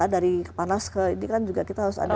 dari kepanas ke ini kan juga kita harus ada